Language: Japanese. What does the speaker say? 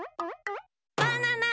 バナナ！